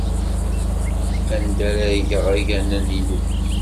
Anda ara geɣ aɣanen-inu?